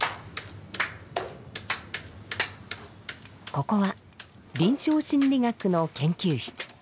ここは臨床心理学の研究室。